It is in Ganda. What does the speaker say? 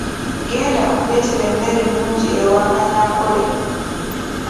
Genda ondeetere emmere ennungi ewa Kanyankole.